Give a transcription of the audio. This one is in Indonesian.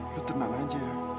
lo tenang aja